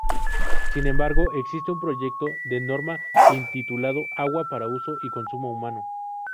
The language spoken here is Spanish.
Sin embargo, existe un proyecto de norma intitulado “Agua para uso y consumo humano.